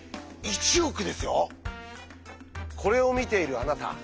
これを見ているあなた